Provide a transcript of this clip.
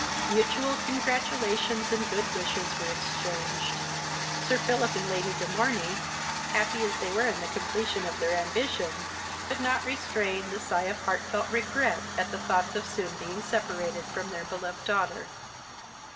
Mutual congratulations and good wishes were exchanged. Sir Philip and Lady de Morney, happy as they were in the completion of their ambition, could not restrain the sigh of heart felt regret at the thoughts of soon being separated from their beloved daughter.